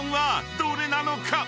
どれなのか？］